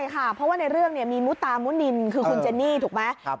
เพราะว่าในเรื่องมีมุตามุนินคือคุณเจนี่ถูกไหม